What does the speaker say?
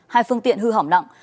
hai phương tiện hư hỏng nặng